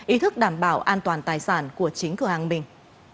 ý thức đảm bảo an toàn tài sản của chính cửa hàng mình